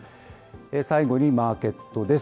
最後にマーケットです。